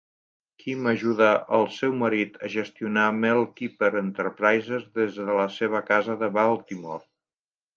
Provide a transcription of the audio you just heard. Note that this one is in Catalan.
Kim ajuda el seu marit a gestionar Mel Kiper Enterprises des de la seva casa de Baltimore.